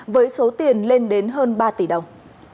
với số tiền lên đến hơn ba tỷ đồng